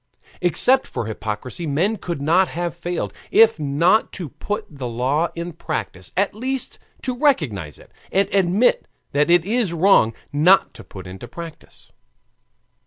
Except for hypocrisy men could not have failed, if not to put the law in practice, at least to recognize it, and admit that it is wrong not to put it in practice.